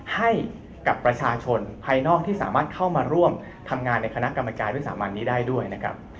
ให้กับประชาชนภายนอกที่สามารถเข้ามาร่วมทำงานในคณะกรรมการวิสามันนี้ได้ด้วยนะครับ